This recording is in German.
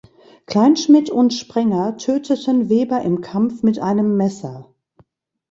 Kleinschmidt und Sprenger töteten Weber im Kampf mit einem Messer.